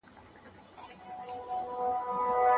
انا وویل چې ماشوم ته اذیت مه کوئ.